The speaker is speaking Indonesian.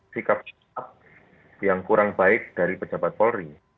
sikap sikap yang kurang baik dari pejabat polri